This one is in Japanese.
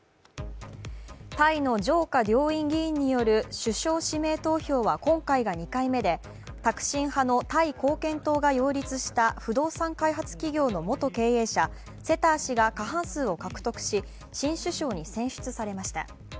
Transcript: タイの上下両院議員による首相指名投票は今回が２回目でタクシン派のタイ貢献党が擁立した不動産開発企業の元経営者、セター氏が過半数を獲得し、新首相に選出されました。